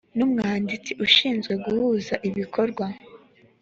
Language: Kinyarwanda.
n umwanditsi ushinzwe guhuza ibikorwa